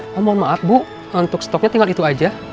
kamu mohon maaf bu untuk stoknya tinggal itu aja